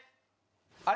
あれ？